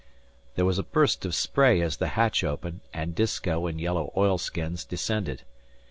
There was a burst of spray as the hatch opened, and Disko, in yellow oilskins, descended.